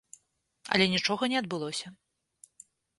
Але нічога не адбылося.